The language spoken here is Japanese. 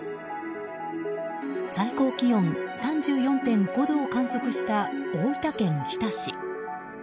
最高気温３４．５度を観測した大分県日田市。